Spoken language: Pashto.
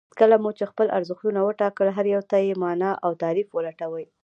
کله مو چې خپل ارزښتونه وټاکل هر يو ته يې مانا او تعريف ولټوئ.